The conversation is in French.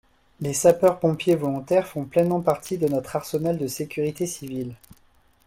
Les sapeurs-pompiers volontaires font pleinement partie de notre arsenal de sécurité civile.